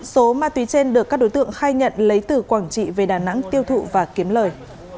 số ma túy trên được các đối tượng khai nhận lấy từ quảng trị về đà nẵng tiêu thụ và kiếm lời